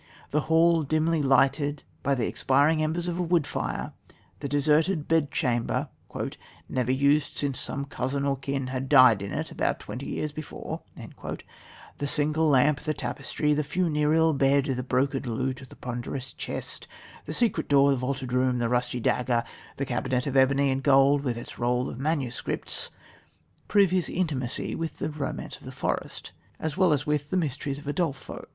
The hall dimly lighted by the expiring embers of a wood fire, the deserted bedchamber "never used since some cousin or kin had died in it about twenty years before," the single lamp, the tapestry, the funereal bed, the broken lute, the ponderous chest, the secret door, the vaulted room, the rusty dagger, the cabinet of ebony and gold with its roll of manuscripts, prove his intimacy with The Romance of the Forest, as well as with The Mysteries of Udolpho.